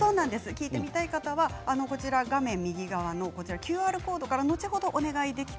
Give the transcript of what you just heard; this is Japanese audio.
聞いてみたい方は画面右側のＱＲコードから後ほど